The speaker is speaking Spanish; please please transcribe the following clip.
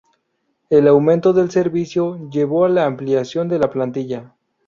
El aumento del servicio llevó a la ampliación de la plantilla.